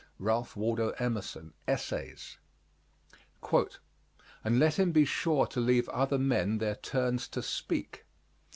RALPH WALDO EMERSON, Essays. And let him be sure to leave other men their turns to speak.